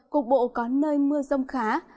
cục bộ có nơi mưa rông khá